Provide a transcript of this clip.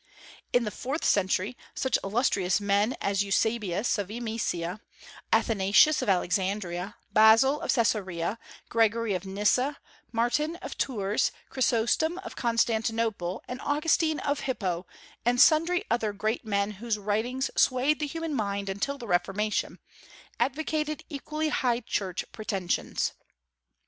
In the fourth century, such illustrious men as Eusebius of Emesa, Athanasius of Alexandria, Basil of Caesarea, Gregory of Nyssa, Martin of Tours, Chrysostom of Constantinople, and Augustine of Hippo, and sundry other great men whose writings swayed the human mind until the Reformation, advocated equally high church pretensions.